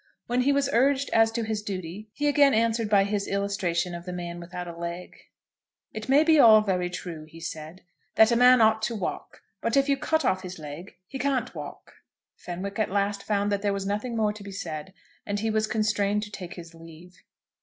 When he was urged as to his duty, he again answered by his illustration of the man without a leg. "It may be all very true," he said, "that a man ought to walk, but if you cut off his leg he can't walk." Fenwick at last found that there was nothing more to be said, and he was constrained to take his leave.